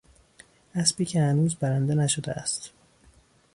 اسبی که هنوز برنده نشده است